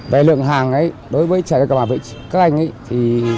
về lượng hàng đối với trẻ cầm hà vịt các anh